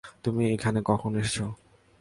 তুমি এখানে কখন এসেছো?